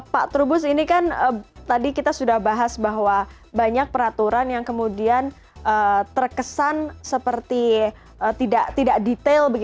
pak trubus ini kan tadi kita sudah bahas bahwa banyak peraturan yang kemudian terkesan seperti tidak detail